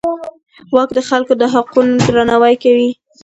واک د خلکو د حقونو درناوی کوي.